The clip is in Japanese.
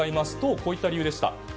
こういった理由でした。